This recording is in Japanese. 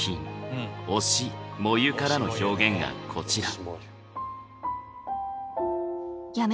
「推し、燃ゆ」からの表現がこちら。